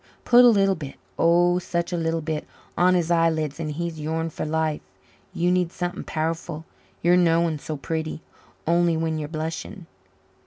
Put a li'l bit oh, such a li'l bit on his eyelids, and he's yourn for life. You need something powerful you're noan so pretty only when you're blushing."